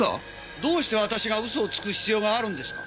どうして私が嘘をつく必要があるんですか？